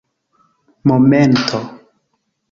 momento